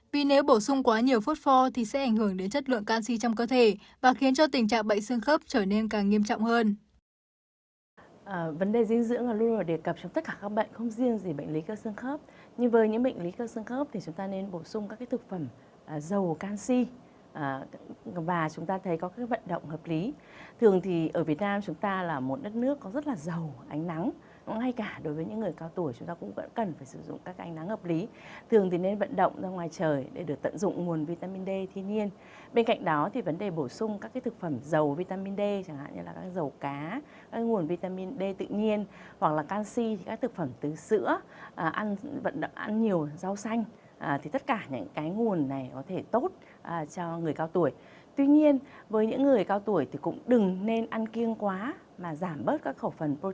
vì nếu bổ sung quá nhiều phốt pho thì sẽ ảnh hưởng đến chất lượng canxi trong cơ thể và khiến tình trạng bệnh sương khớp trở nên càng nghiêm trọng hơn